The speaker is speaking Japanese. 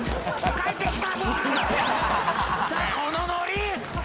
帰ってきた！